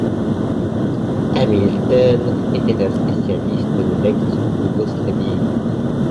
Hamilton était un spécialiste de l'ex-Yougoslavie.